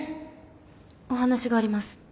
お話があります。